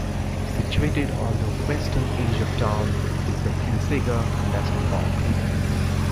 Situated on the western edge of town is the Kinchega National Park.